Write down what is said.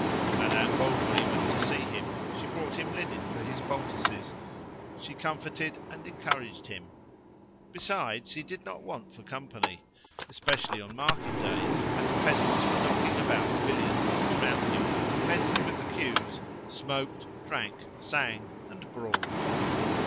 Madame Bovary went to see him. She brought him linen for his poultices; she comforted, and encouraged him. Besides, he did not want for company, especially on market days, when the peasants were knocking about the billiard balls round him, fenced with the cues, smoked, drank, sang, and brawled.